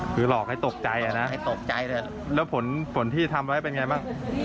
คือหลอกให้ตกใจนะแล้วผลที่ทำไว้เป็นอย่างไรบ้าง